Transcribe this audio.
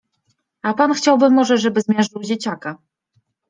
A pan chciałby może, żeby zmiażdżył dzieciaka?